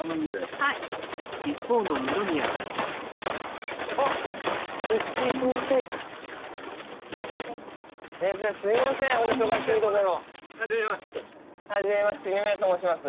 はじめまして二宮と申します。